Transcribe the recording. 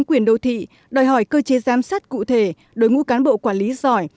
chính quyền đô thị đòi hỏi cơ chế giám sát cụ thể đối ngũ cán bộ quản lý giỏi